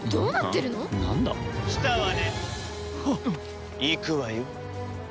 いくわよ。